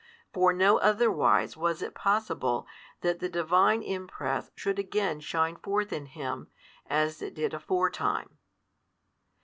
For no otherwise was it possible that the Divine Impress should again shine forth in him, as it did aforetime.